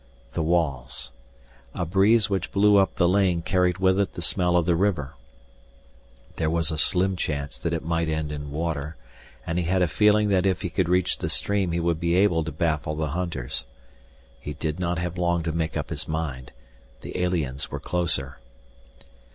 The walls.... A breeze which blew up the lane carried with it the smell of the river. There was a slim chance that it might end in water, and he had a feeling that if he could reach the stream he would be able to baffle the hunters. He did not have long to make up his mind the aliens were closer.